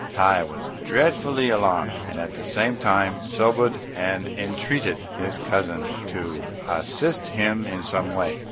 Tai was dreadfully alarmed, and at the same time sobered, and entreated his cousin to assist him in some way.